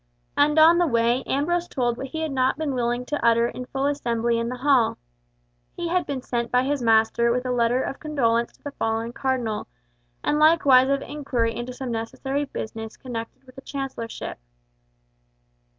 And on the way, Ambrose told what he had not been willing to utter in full assembly in the hall. He had been sent by his master with a letter of condolence to the fallen Cardinal, and likewise of inquiry into some necessary business connected with the chancellorship.